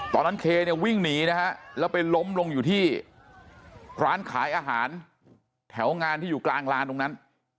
เคเนี่ยวิ่งหนีนะฮะแล้วไปล้มลงอยู่ที่ร้านขายอาหารแถวงานที่อยู่กลางลานตรงนั้น